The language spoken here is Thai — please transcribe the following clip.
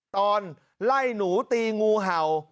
ตอนไล่หนูตีงูเห่า